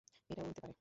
এটাও উড়তে পারে।